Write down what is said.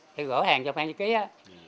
đi gõ hàng cho phan giấy ký á